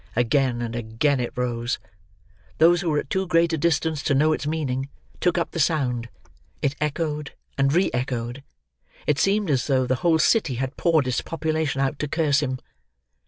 Again and again it rose. Those who were at too great a distance to know its meaning, took up the sound; it echoed and re echoed; it seemed as though the whole city had poured its population out to curse him.